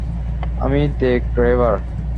আমিই the grabber?